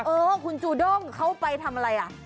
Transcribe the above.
เออคุณจูด้งเขาไปทำอะไรอ่ะ